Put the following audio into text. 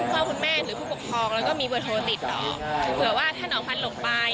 อีกอย่างหนึ่งไม่ต้องลงไปเลย